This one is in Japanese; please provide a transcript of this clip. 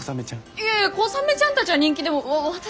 いやいやコサメちゃんたちは人気でも私。